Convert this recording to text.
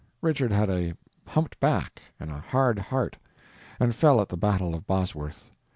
Richard had a humped back and a hard heart, and fell at the battle of Bosworth.